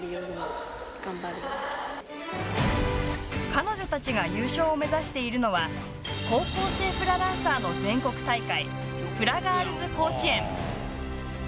彼女たちが優勝を目指しているのは高校生フラダンサーの全国大会「フラガールズ甲子園」。